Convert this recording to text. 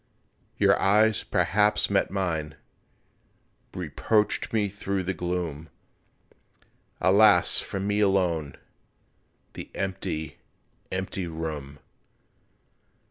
Your eyes perhaps met mine, Reproached me through the gloom, Alas, for me alone The empty, empty room!